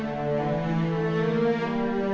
apa yang ada ada apa